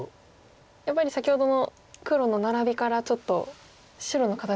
やっぱり先ほどの黒のナラビからちょっと白の形が。